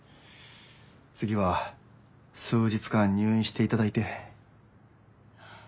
次は数日間入院していただいて。